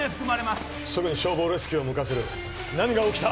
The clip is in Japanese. すぐに消防レスキューを向かわせる何が起きた？